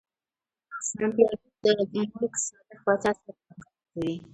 سانتیاګو د ملک صادق پاچا سره ملاقات کوي.